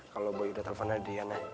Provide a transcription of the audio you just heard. kalau boy udah telfon adriana